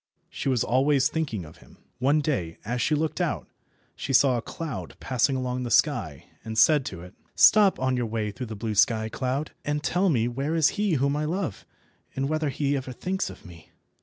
She was always thinking of him. One day, as she looked out, she saw a cloud passing along the sky, and said to it— "Stop on your way through the blue sky, cloud, and tell me where is he whom I love, and whether he ever thinks of me."